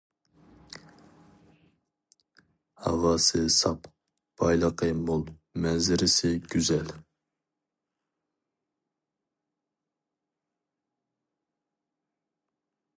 ھاۋاسى ساپ، بايلىقى مول، مەنزىرىسى گۈزەل.